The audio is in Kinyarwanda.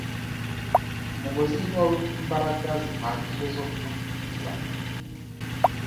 Umugozi ntiwari ufite imbaraga zihagije zo kumushyigikira .